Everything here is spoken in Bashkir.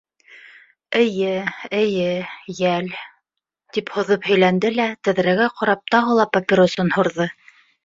— Эйе, эйе, йәл, — тип һуҙып һөйләнде лә, тәҙрәгә ҡарап, тағы ла папиросын һурҙы.